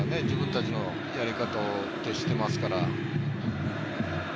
自分たちのやり方を消してますから。